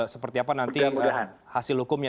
seperti apa nanti hasil hukumnya